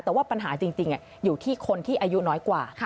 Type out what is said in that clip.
แต่ว่าปัญหาจริงอยู่ที่คนที่อายุน้อยกว่า